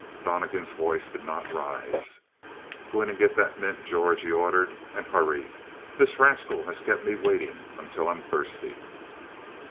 Donnegan's voice did not rise. "Go in and get that mint, George," he ordered. "And hurry. This rascal has kept me waiting until I'm thirsty."